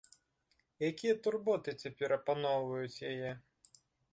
Якія турботы цяпер апаноўваюць яе?